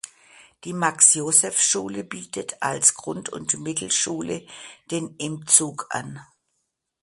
Die Max-Joseph-Schule bietet als Grund- und Mittelschule den M-Zug an.